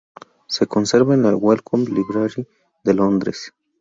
Se conserva en la Wellcome Library de Londres.